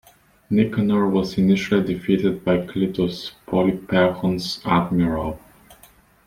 Nicanor was initially defeated by Clitus, Polyperchon's admiral.